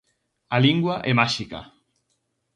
A lingua é máxica.